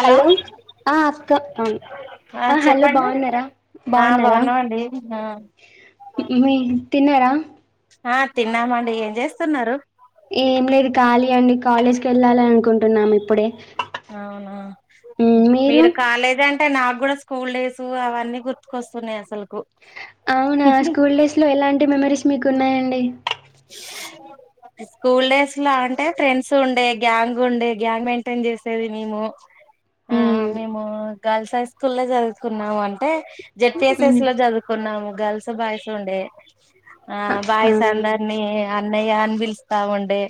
Hello ఆ అక్క ఆ హలో బాగున్నారా ఆ బాగున్నారా బాగున్నామండి ఆ మీ తిన్నారా ఆ తిన్నామండి ఏం చేస్తున్నారు ఏం లేదు కాలి అండి కాలేజీకి వెళ్ళాలి అనుకుంటున్నాము ఇప్పుడే అవునా మీరు కాలేజ్ అం అంటే నాకు కూడా స్కూల్ డేస్ అవన్నీ గుర్తుకొస్తున్నాయి అసలుకు అవునా స్కూల్ డేస్ లో ఎలాంటి మెమోరీస్ మీకు ఉన్నాయండి స్కూల్ డేస్ లో అంటే ఫ్రెండ్స్ ఉండే. గ్యాంగ్ ఉండే. గ్యాంగ్ మెయింటైన్ చేసేది మేము. ఆ మ్, మేము గర్ల్స్ హైసు స్కూల్లో చదువుకున్నాము అంటే జడ్పీఎస్ఎస్ మ్, లో చదువుకున్నాము గర్ల్స్ బాయ్స్ ఉండే ఆ బాయ్స్ అందర్నీ అర్ అన్నయ్యా అని పిలుస్తా ఉండే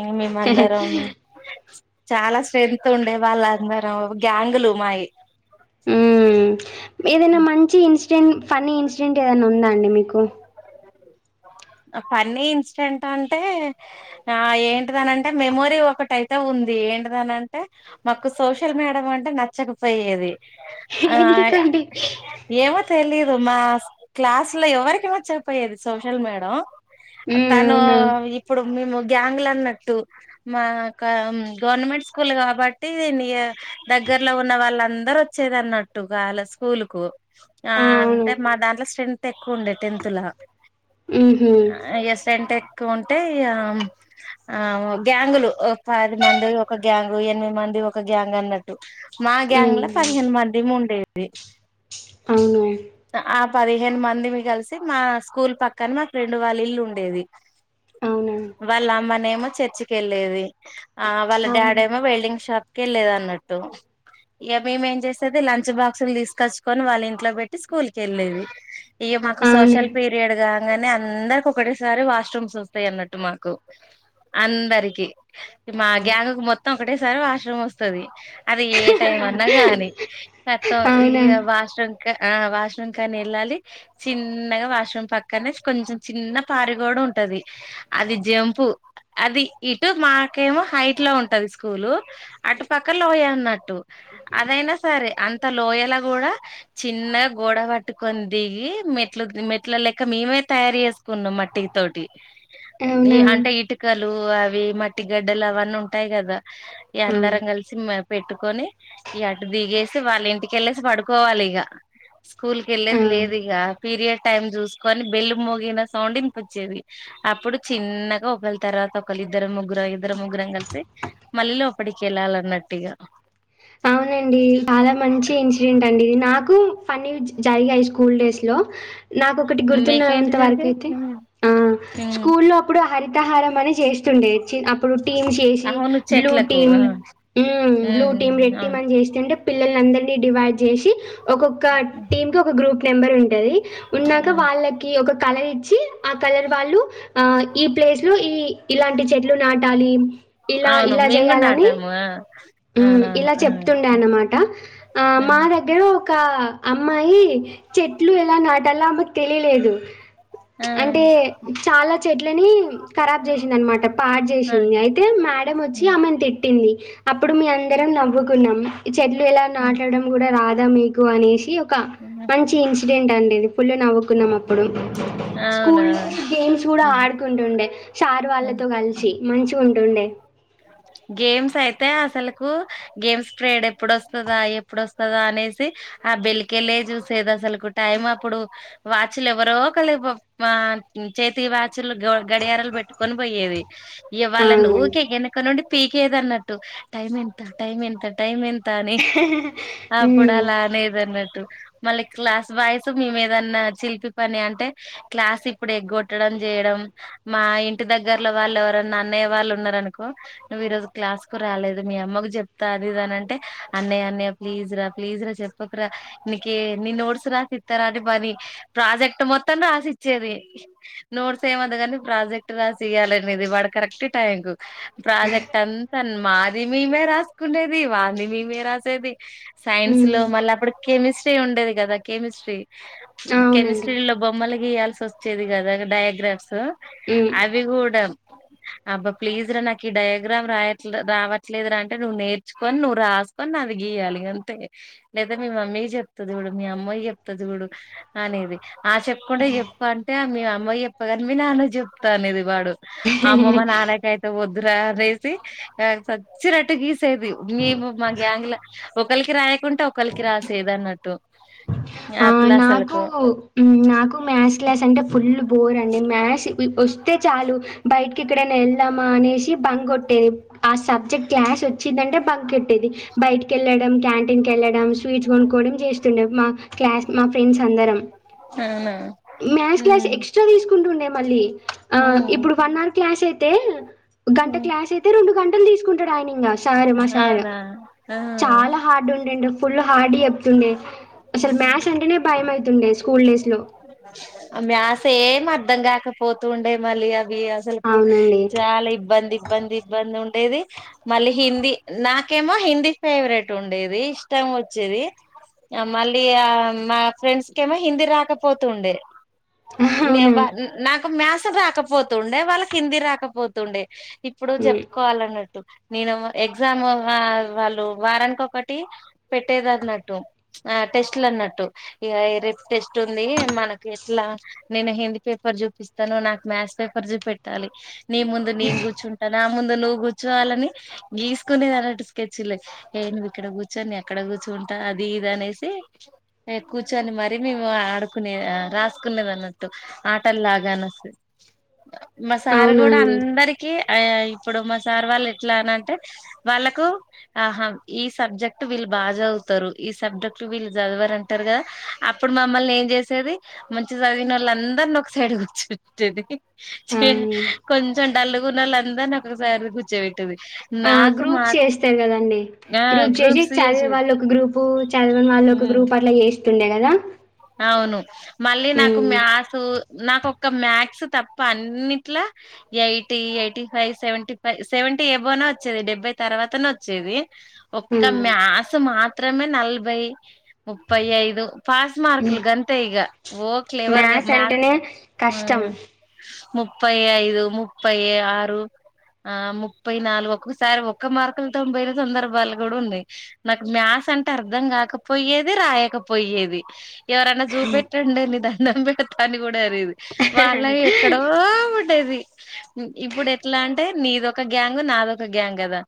ఇంగ్ మేమందరం చాలా స్ట్రెంతు ఉండే వాళ్ళ అందరం గ్యాంగులు మాయి ఉమ్ ఏదైనా మంచి ఇన్సిడెంట్ ఫన్నీ ఇన్సిడెంట్ ఏదైనా ఉందాన్ అండి మీకు ఫన్నీ ఇన్సిడెంట్ అంటే ఆ ఏంటిదని అంటే మెమోరీ ఒకటైతే ఉంది. ఏంటిదని అంటే మాకు సోషల్ మేడం అంటే నచ్చకపోయేది. ఆ ఎందుకండి ఏమో తెలిద్ మా క్లాస్ లో ఎవరికి నచ్చకపోయేది సోషల్ మేడం లో మ్, తను అవునా ఇప్పుడు మేము గ్యాంగ్ ల అన్నట్టు మా క గవర్నమెంట్ స్కూల్ కాబట్టి నియ దగ్గర్లో ఉన్న వాళ్ళందరు వచ్చేది అన్నట్టు గాల స్కూల్ కు ఆ అంటే మా దాంట్లో స్రే ఎక్కువ ఉండే టెన్త్ లా మ్హూ. ఎస్ అంటే ఎ ఉంటే ఇగ ఆ ఆ గ్యాంగులు ఒ పది మంది ఒక గ్యాంగ్ ఎనిమిది మంది ఒక గ్యాంగ్ అన్నట్ మా మ్, గాంగ్ల పదిహేను మంది ఉండేది దే అవును పదిహేను మందిమి కలిసి మా స్కూల్ పక్కన మా ఫ్రెండ్ వాళ్ళ ఇల్లు ఉండేది అవునా వాళ్ళ అమ్మనే ఏమో చర్చి కి వెళ్ళేది. ఆ వాళ్ళ డాడీ అవును ఏమో వెల్డింగ్ షాప్ కి వెళ్లేది అన్నట్టు. ఇక మేమేం చేసేది లంచ్ బాక్స్లు తీసుకొచ్చుకొని వాళ్ళ ఇంట్లో పెట్టి స్కూల్ కి వెళ్ళేది. ఇగ మాకు అవునా సోషల్ పీరియడ్ కాంగానే అందరికి ఒకటేసారి వాష్రూమ్స్ వస్తాయి అన్నట్టు. మాకు అందరికి మా గ్యాంగ్కి మొత్తం ఒకటేసారి వాష్రూమ్ వస్తది. అది ఏ టైం అన్నా గాని. పెత్తం అవునా ఈయ్య వాష్ రూమ్ ఆ వాష్రూమ్ కాని వెళ్ళాలి చిన్నగా వాష్రూమ్ పక్కనే కొంచెం చిన్న పారి కూడ ఉంటది. అది జంపు అది ఇటు మాకేమో హైట్ లో ఉంటది. స్కూల్ అటు పక్క లోయ అన్నట్టు. అదైనా సరే అంత లోయలా కూడా చిన్న గోడ పట్టుకొని దిగి మెట్లు మెట్ల లక్క మేమై తయారు చేసుకున్నా మట్టి తోటి ఏ అవునా అంటే ఇటుక లు అవి మట్టి గడ్డలు అవన్నీ ఉంటాయి కదా ఈ అవునా అందరం కలిసి మే పెట్టుకొని ఈ అటు దిగేసి వాళ్ళ ఇంటికెళ్ళేసి పడుకోవాలి. ఇగ స్కూల్ కి వెళ్ళేది ఆ లేదు. ఇగ పీరియడ్ టైమ్ చూసుకొని బెల్లు మోగిన సౌండ్ ఇంపొచ్చేది. అప్పుడు చిన్నగా ఒకల్లి తర్వాత ఒకల్లు ఇద్దరు ముగ్గురం, ఇద్దరు ముగ్గురం కలిసి మళ్ళీ ఒకటికిళ్ళాలి అన్నట్టిగా అవునండి చాలా మంచి ఇన్సిడెంట్ అండి ఇది నాకు ఫన్నీ విజ్ జరిగాయి స్కూల్ డేస్ లో నాకొ ఒకటి మీకేంటి గుర్తున్నంత వరకు అయితే, జరిగాయి ఆ ఉమ్ స్కూల్లో అప్పుడు హరితహారం అనే చేస్తుండే, చీ అప్పుడు టీమ్ చేసి అవును బ్లూ చెట్లకు టీమ్ ఆ మ్మ్ బ్లూ టీమ్ ఉమ్ రెట్టీ అవును మని చేస్తుంటే పిల్లలు అందరినీ డివైడ్ చేసి ఒక్కొక్క టీమ్ కి ఒక గ్రూప్ నెంబర్ ఉన్ టది ఉన్నాక ఆ వాళ్ళకి ఒక కలర్ ఇ ఆ కలర్ వాళ్ళు ఆ ఈ ప్లేస్ లో ఈ ఇలాంటి చెట్లు నాటాలి. ఇలా అవును ఇలా మేము కూడా చేయాలని నటాము ఇలా చెప్తుండే అన్నమాట ఆ మా దగ్గరే ఆ అమ్మాయి చెట్లు ఎలా నాటలో ఆమెకు తెలియలేదు ఆ అంటే చాలా చెట్లని ఖరాబ్ చేసింద అనమాట పాడు ఆ చేసింది అవును అయితే మేడ ఆ వచ్చి ఉమ్ ఆమెని తిట్ పెట్టింది అప్పుడు మేం అందరం నవ్వుకున్నాం చెట్లు ఇలా నాటడం కూడా రాదా మీకు అనేసి ఒక ఉమ్ మంచి ఇన్సిడెంట్ అండి ఫుల్ గా నవ్వుకున్నాం అప్పుడు అవునా స్కూల్ గేమ్స్ కూడా ఉమ్ ఆడుకుంటుండే సార్ ఉమ్ వాళ్ళతో కలిసి మంచి ఉంటుండే గేమ్స్ అయితే అసలులకు గేమ్స్ పీరియడ్ ఎప్పుడోస్తాద ఎప్పుడోస్తదా అనేసి ఆ బెల్ కల్లే చూసేది అసలులకు టైం అప్పుడు వాచ్లు ఎవరో ఒకలి ఆ చేతి వాచ్లు గడియారలు పెట్టుకొని పోయేది ఇవళ అవునండి. ఊకే గెనుక నం ద అన్నట్టు టైమ్ ఎంత టైమ్ ఎంత టైమ్ ఎంత కాని అప్పుడు హ్మ్. అలా అనేద అన్నట్టు మళ్ళీ క్లాస్ బాయ్స్ మేము ఏదన్నా చిలిపి పని అంటే క్లాస్ ఇప్పుడు ఎగ్గొట్టడం చేయడం మా ఇంటి దగ్గర్లో వాళ్ళు ఎవరన్నా అన్నయ్య వాళ్ళు ఉన్నారనుకో నువ్వు ఈరోజు క్లాస్ కు రాలేదు మీ అమ్మకు చెప్తా అదిఇదిఅంటే అన్నయ్య అన్నయ ప్లీజ్ రా ప్లీజ్ రా చెప్పకరా నీకే నీ నోట్స్ రాసి ఇస్తారా అని పని ప్రాజెక్ట్ మొత్తం రాసిచ్చేది నోట్స్ ఏమన్న కాని ప్రాజెక్ట్ రాసియ్యాలనేది వాడ కరెక్ట్ టై కు ఆ ప్రాజెక్టు అంత మాది మేమే రాసుకునేది వాళ్ళదే మేమే రాసేది సైన్స్ హ్మ్. లో మళ్ళీ అప్పుడు కెమిస్ట్రీ ఉండేది కదా కెమిస్ట్రీ అవునండి. కెమిస్ట్రీలో బొమ్మలు గీయాల్సి వస్తుంది వచ్చేది కదా డయాగ్రాఫ్స్ హ్మ్. ఆ అవి కూడా అబ్బా ప్లీజ్ రా నాకి డయాగ్రమ్ డయాగ్రమ్ రాయట్ రావట్లేదు అంటే నువ్వు నేర్చుకొని నువ్వు రాసుకొనిది గీయాలి అంతే లేదా మీ మమ్మీ చెప్తది ఇడు మీ అమ్మ కి చెప్త చూడు అనేది ఆ చెప్పకుండా చెప్ప అంటే మీ అమ్మకి చెప్పను గాని మీ నాన్నకు చెప్తా అనేది వాడు అమ్మమ్మ నానకైతే వద్దురా రే [unintelligible] ఆ సచ్చినట్టు గా సేది మేము మా గ్యాంగ్లా ఒకలికి రా ఆ అట్లా నాకు అసలుకు నాకు మ్యాథ్స్ క్లాస్ అంటే ఫుల్ బోర్ అండి మ్యాథ్స్ వస్తే చాలు బయటికి ఇక్కడై వెళ్ మా అనేసి బం కొట్టేది ఆ సబ్జెక్ట్ క్లాస్ వచ్చిందంటే బంకొట్టేది బయటికి వెళ్లడం క్యాంటీన్ వెళ్ళడం స్వీట్స్ కొనుకోవడం చేస్తుండే మా క్లాస్ మా ఫ్రెండ్స్ అందరం అవునా మ్యాథ్స్ క్లాస్ ఉమ్ ఎక్స్ట్రా తీసుకుంటూ ఉండే మళ్ళీ ఆ ఉమ్ ఇప్పుడు వన్ హవర్ క్లాస్ తె గంట ఉమ్. క్లాస్ అయితే రెండు గంట తీసుకుంటాడు అయినా ఇంకా మ సారు మ సార్ అవునా ఆ చాలా హార్డ్ ఉ ఫుల్ హార్డ్ చెప్తుండే అసలు ఉమ్. మ్యాథ్స్ అంటేనే భయం అవుతుండే స్కూల్ డేస్ లో మ్యాథ్స్ ఏం అర్ధం గాకపోతుండే మళ్ళీ అ అసలుకు అవునండి చాలా ఇబ్బంది ఇబ్బంది ఇబ్బంది ఉ డేది మళ్ళీ హిందీ నాకేమో హిందీ ఫేవరెట్ ఉండేది ఇష్టం వచ్చేది మళ్ళీ మా ఫ్రెండ్స్కేమో హిందీ రాకపోతుండేది న అవునా బ నా ఒక మ్యాస్ రాకపోతుండే వాళ్ళకి హిందీ రాకపోతుండే ఇప్పుడు ఉమ్, చెప్పుకోవాలన్నట్టు నేను ఎగ్జామ్ వాళ్ళు వారానికి ఒకటి పెట్టేది అన్నట్టు ఆ టెస్ట్లు అన్నట్టు ఇ రేపు టెస్ట్ ఉంది మనకు ఎట్లా నేను హిందీ పేపర్ చూపిస్తాను నాకు మ్యాథ్స్ పేపర్ చూపెట్టాలి నీ ముందు నీను కూర్చుంటా నా ముందు నువ్వు కూర్చోవాలని గీసుకునేది అన్నట్టు స్కెచ్లే ఏ నువ్వు ఇక్కడ కూర్చొని అక్కడ కూర్చుంటా అది ఇది అనేసి కూర్చొని మరీ మేము ఆడుకునేది రాసుకునేది అన్నట్టు ఆటలలాగా అనే మా సారు అవునా కూడా అండి అందరికి అయ ఇప్పుడు మా సార్ వాళ్ళ ఎట్లా అన అంటే వాళ్ళకు ఆహా ఈ సబ్జెక్ట్ వీళ్ళు బాగా చదువుతారు ఈ సబ్జెక్ట్ వీళ్ళు చదవరంటారు కదా అప్పుడు మమ్మల్ని ఏం చేసేది మంచి చదివిన వాళ్ళు అందరిని ఒక సైడ్ కూర్చోబెట్టేది అవును కొంచెం డాల్లుగునోళ అందర్ నాకు రూపయి గుర్చ్వి టవి ఆ గ్రూప్ చేస్తే కదండి గ్రూప్ చేసి గ్రూప్స్ చదివే వాళ్ళ ఒక గ్రూపు చదవని వాళ్ళు ఒక చేసేది గ్రూప్ అట్లా చేస్తుండే కదా అవును మళ్ళీ నాకు ఉమ్, మ్యాసు నాకు ఒకక్క మ్యాక్స్ తప్ప అన్నిట్లో eighty eighty five seventy five seventy ఏబోనే వచ్చేది డెబ్బై తర్వాతనే వచ్చేది ఒక్క ఉమ్. మ్యాస్ మాత్ర మాత్రమే నలభై ముప్పై ఐదు పాస్ ఉకుల్ గంతే ఇగ ఓక్లే ఎవర్గా మ్యాథ్స్ మ్యా అంటేనే కష్టం ముప్పై ఐదు ముప్పై ఆరు ఆ ముప్పై నాలుగు ఒక్కొక్కసారి ఒక్క మార్కులతో పోయిన సందర్భాలు కూడా ఉన్నాయి నాకు మ్యాక్స్ అంటే అర్థం కాకపోయేది రాయకపోయేది ఎవరన్న జూ పెట్టండి ని ఇదా దండం పెడతా తానిమ్ కూడా అరిది వాళ్ళ ఎక్కడో ఉండేది ఇప్పుడు ఎట్లా అంటే నీదొక గ్యాంగ్ నాదొక గ్యాంగ్ కదా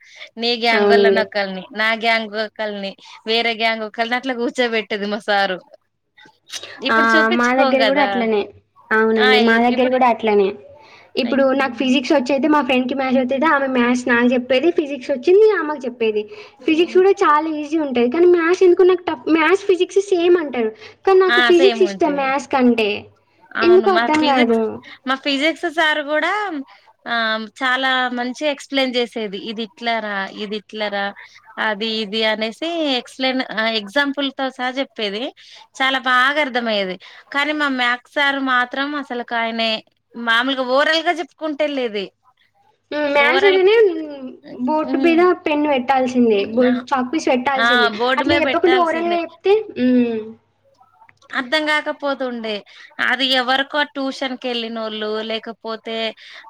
నీ గ్యాంగ్ అవునండి అల్లోనొక్కల్ని నాక్ గ్యాంగ్ ఒకల్ని వేరే గ్యాంగ్ ఒకల్ని అట్లా కూర్చోబెట్టేది మా సారు ఆ ఇప్పుడు మా చూపించుకోం దగ్గర కూడా కదా అట్లనే ఆ అవునండి మా దగ్గర ఇప్పుడు కూడా అట్లనే ఇప్పుడు నాకు ఫిజిక్స్ వచ్చేది మా ఫ్రెండ్ కి మ్యాజివల్ తిద ఆమె మ్యాస్ నా చెప్పేది ఫిజిక్స్ వచ్చింది ఆమకి చెప్పేది ఫిజిక్స్ కూడా చాలా ఈజీ జి ఉంటది కానీ మ్యాస్ ఎందుకు నాకు టఫ్ మ్యాస్ ఫిజిక్స్ సేమ్ ఉంటాది ఇక ఆ నాకు సేమ్ ఫిజిక్స్ ఇష్టం ఉంటాయి మ్యాస్ కంటే అవును ఎందుకో మా అర్థం కాదు ఫిజిక్స్ మా ఫిజిక్స్ ఫిజిక్స్ సార్ కూడా ఆ చాలా మంచి ఎక్స్ప్లెయిన్ చేసేది ఇదిట్లరా ఇది ఇట్లరా అది ఇది అనేసి ఎక్స్ప్లెయిన్ అ ఎగ్జాంపుల్ తో సాహ చెప్పేది చాలా బాగా అర్థమయ్యేది కానీ మా మ్యాక్ ఒకసారి మాత్రం అసలకు ఆయనే మామూలుగా ఓరల్గా చెప్పుకుంటు వెళ్ళేది హుమ్ మ్యాస్ మ్ ఏదేనే బోడ్ హ్మ్ మీద పెన్ను వెట్ పెట్టాల్సిందే బోర్డ్ చాప్లిస్ ఆ పెట్టాల్సింది బోర్డు అట్లా మీద చెప్పకుండా పెట్టాల్సిందే ఓరల్గా చెప్తే మ్ [inaudible] అర్ధం కాకపోతుండే అది ఎవరికో ఆ ట్యూషన్ క వెళ్ళినోళ్ళు లేకపోతే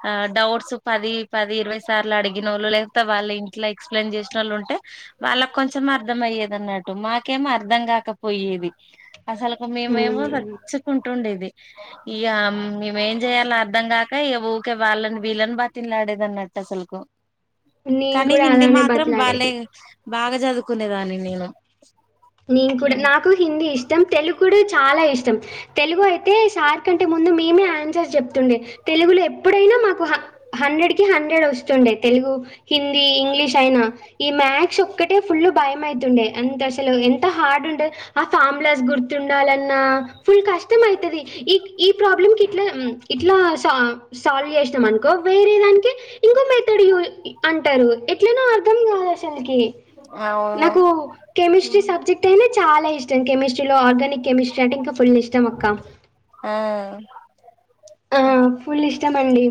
ఆ డౌట్స్ పది పది ఇరవై సార్లు అడిగినోళ్ళు లేక్త వాళ్ళే ఇంట్లో ఎక్స్ప్లెయిన్ చేసి నోళ్ళు ఉంటే వాళ్ళకు కొంచెం అర్థం అయ్యేద అన్నట్టు మాకేం అర్థం కాకపోయేవి అసలుకు మేమేమో మ్మ్ సచ్చుకుంటుండేది ఇక మేమేం చేయ్యాలో అర్ధం కాక ఇక ఊకే వాళ్ళని వీళ్ళని బతిమిలాడేదన్నట్టు అసలుకు నేన్ కానీ కూడా హిందీ అలానే మాత్రం బాలే బట్లాడేది బాగా చదువుకునేదాన్ని నేను నీన్ కూడా నాకు హిందీ ఇష్టం తెలుగు కుడు చాలా ఇష్టం తెలుగు అయితే సార్ కంటే ముందు మేమే ఆన్సర్ చెప్తుండే తెలుగులో ఎప్పుడైనా మాకు హా హండ్రెడ్ కి హండ్రెడ్ వస్తుండే తెలుగు హిందీ ఇంగ్లీష్ అయినా ఈ మ్యాథ్స్ ఒక్కటే ఫుల్ భయం అయితుండే అంత తలు ఎంత హార్డ్ ఉండది ఆ ఫామ్లాస్ గుర్తుండాలన్నా ఫుల్ కష్టం అయితది ఈ ఈ ప్రాబ్లంకి ఇట్లా మ్ ఇట్లా స-సాల్వ్ చేసాం అనుకో వేరే దానికి ఇంకో మెథడ్ యూ అంటరు ఎట్లనో అర్థం కాదు అసల్కి అవును నాకు కెమిస్ట్రీ సబ్జెక్ట్ అని చాలా ఇష్టం కెమిస్ టిలో ఆర్గానిక్ కెమిస్ట్రీ అంటే ఇంకా ఫుల్ ఇష్టం అక్క ఆ ఆ ఫుల్ ఇష్టం అండి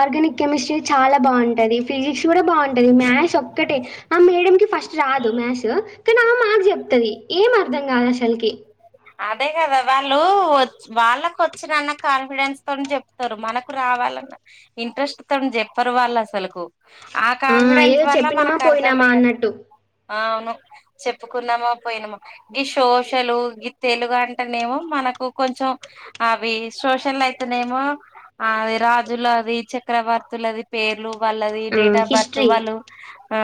ఆర్గానిక్ కెమిస్ట్రీ చాలా బాగుంటది ఫిజిక్స్ కూడా బాగుంటది మ్యాస్ ఒక్కటే ఆ మేడం కి ఫస్ట్ రాదు మ్యాస్ కానీ ఆ మాకు చెప్తది ఏం అర్ధం కాదు అసల్కి అదే కదా వాళ్ళు ఒచ్-వాళ్ళకు వచ్చినన్న కాన్ఫిడెన్స్ తోనే చెప్తరు మనకు రావాలన్న ఇంట్రెస్ట్ తొని చెప్పరు వాళ్ళు అసలుకు ఆ కాన్ఫిడెన్స్ ఏదో వల్ల చెప్పినామా మనకు అర్ధం పోయినామా అయే అన్నట్టు అవును చెప్పుకున్నామా పోయినామా గి సోషలు గి తెలుగు అంటేనేమో మనకు కొంచెం అవి సోషల్ అయితేనేమో అది రాజుల అది చక్రవర్తులది పేర్లు వాళ్ళది ఆ డేట్ ఆఫ్ బర్త్ హిస్టరీ వాళ్ళు ఆ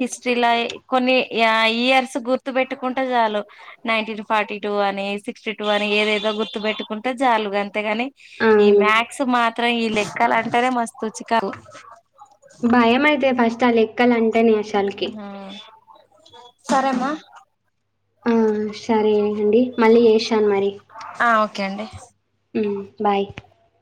హిస్టరీలో కొన్ని యా ఇయర్స్ గుర్తు పెట్టుకుంటే చాలు నైన్టీ ఫార్టీ టూ అని సిక్స్టీ టూ అని ఏదేదో గుర్తుపెట్టుకుంటే చాలు అంతేగాని ఈ అవును మ్యాక్స్ మాత్రం ఈలె కల్ అంటేనే మస్తు చికగు భయమైతే ఫస్ తలి ఎక్కలు అంటేనే అసల్కి సరే మా ఆ సరేనండి మళ్ళీ చేస్తాను మరి కే అండి ఉమ్ బాయ్